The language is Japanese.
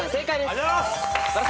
ありがとうございます！